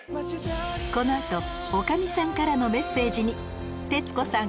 この後女将さんからのメッセージに徹子さん